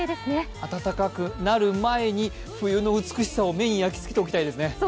暖かくなる前に冬の美しさを目に焼きつけておきたいですね。